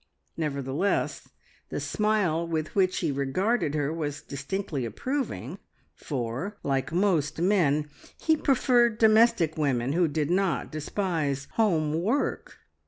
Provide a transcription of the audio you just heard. Nevertheless the smile with which he regarded her was distinctly approving, for, like most men, he preferred domestic women who did not despise home work.